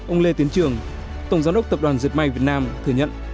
ông lê tiến trường tổng giám đốc tập đoàn diệt may việt nam thừa nhận